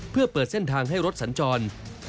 เพื่อเปิดเส้นทางให้รถสัญจร